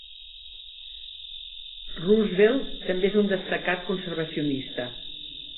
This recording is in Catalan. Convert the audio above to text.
Roosevelt també és un destacat conservacionista.